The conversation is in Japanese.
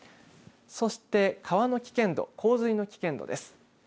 そして川の危険度、洪水の危険度です。